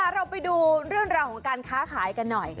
เราไปดูเรื่องราวของการค้าขายกันหน่อย